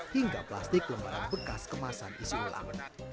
hingga plastik lembaran bekas kemasan isi ulang